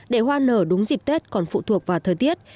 để hoa nở đúng dịp tết còn phụ thuộc vào thời tiết